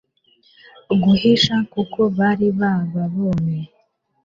guhisha kuko bari bababonye